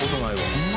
「そんな！